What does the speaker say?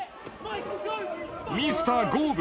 ミスターゴーブ！